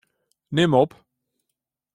Nim op.